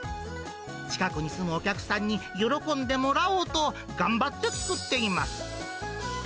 近くに住むお客さんに、喜んでもらおうと頑張って作っています。